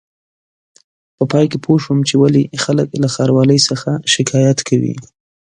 په پای کې پوه شوم چې ولې خلک له ښاروالۍ څخه شکایت کوي.